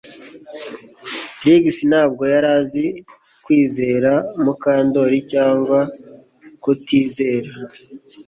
Trix ntabwo yari azi kwizera Mukandoli cyangwa kutizera